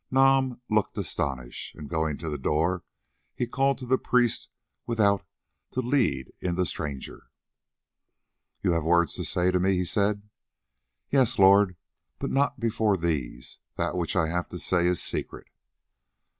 Nam looked astonished, and going to the door he called to the priest without to lead in the stranger. "You have words to say to me," he said. "Yes, lord, but not before these. That which I have to say is secret."